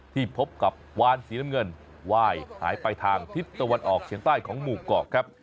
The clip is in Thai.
ที่พบกับวานสีน้ำเงินไหว้หายไปทางทิศตะวันออกเฉียงใต้ของหมู่เกาะครับ